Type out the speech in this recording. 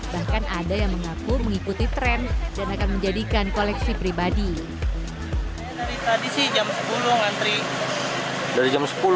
bahkan ada yang mengaku mengikuti tren dan akan menjadikan koleksi pribadi